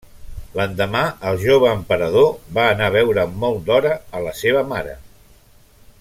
L'endemà, el jove emperador va anar a veure molt d'hora a la seva mare.